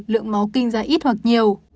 lượng máu kinh ra ít hoặc nhiều